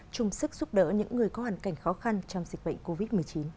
chung sức giúp đỡ những người có hoàn cảnh khó khăn trong dịch bệnh covid một mươi chín